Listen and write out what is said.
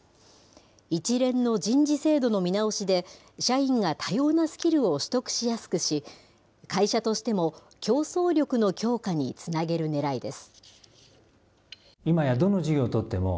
一連の人事制度の見直しで、社員が多様なスキルを取得しやすくし、会社としても競争力の強化につなげるねらいです。